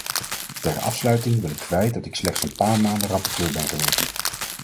Ter afsluiting wil ik kwijt dat ik slechts een paar maanden rapporteur ben geweest.